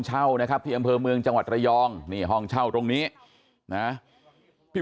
เช่านะครับที่อำเภอเมืองจังหวัดระยองนี่ห้องเช่าตรงนี้นะพี่